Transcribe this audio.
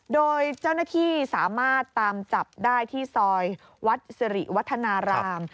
โดยเจ้าหน้าที่สามารถตามจับได้ที่ซอยวัดสิริวัฒนาราม